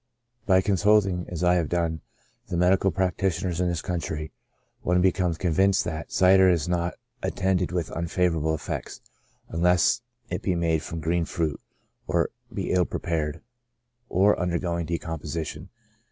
By consulting, as I have done, the medical practitioners in 40 CHRONIC ALCOHOLISM. this country, one becomes convinced that cider is not at tended with unfavorable effects, unless it be made from green fruit, or be ill prepared, or undergoing decomposi tion."